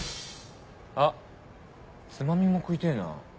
あっつまみも食いてぇなぁ。